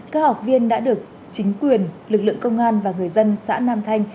các học viên đã được chính quyền lực lượng công an và người dân xã nam thanh